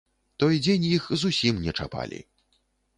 Той дзень іх зусім не чапалі.